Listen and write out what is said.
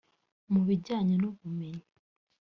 Mu bijyanye n’ubumenyi